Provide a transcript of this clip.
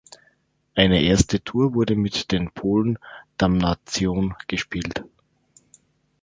Eine erste Tour wurde mit den Polen Damnation gespielt.